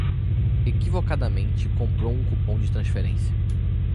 Equivocadamente comprou um cupom de transferência